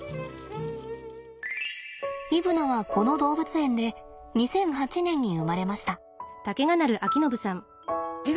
イブナはこの動物園で２００８年に生まれました。